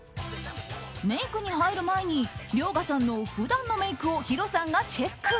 メイクに入る前に遼河さんの普段のメイクをヒロさんがチェック。